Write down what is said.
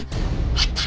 あった？